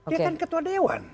dia kan ketua dewan